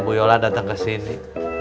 bu yola datang kesini